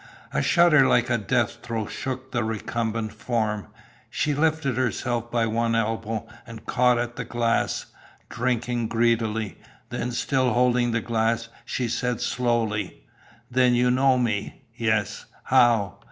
A shudder like a death throe shook the recumbent form. She lifted herself by one elbow, and caught at the glass, drinking greedily. Then, still holding the glass, she said slowly: "Then you know me?" "Yes." "How?"